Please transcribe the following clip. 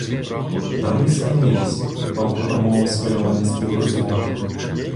Даруй сміливість, — палко промовив схвильований співрозмовник.